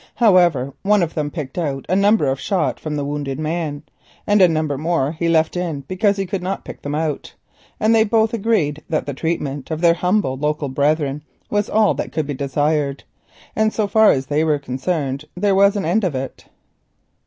However, one of them picked out a number of shot from the wounded man, and a number more he left in because he could not pick them out. Then they both agreed that the treatment of their local brethren was all that could be desired, and so far as they were concerned there was an end of it.